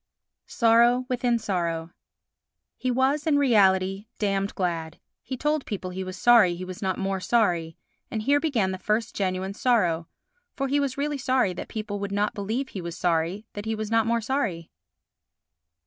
Sorrow within Sorrow He was in reality damned glad; he told people he was sorry he was not more sorry, and here began the first genuine sorrow, for he was really sorry that people would not believe he was sorry that he was not more sorry.